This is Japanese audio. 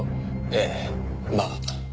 ええまあ。